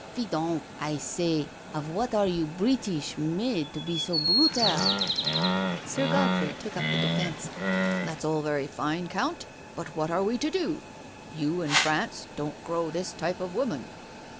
Fidonc, 1 say, of what are you British made to be so brutal?" 230 NO SURRENDER Sir Godfrey took up the defence: *' That's all very fine. Count, but what are we to do? You in France don't grow this type of woman."